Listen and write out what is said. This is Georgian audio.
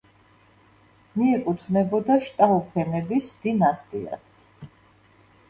მიეკუთვნებოდა შტაუფენების დინასტიას.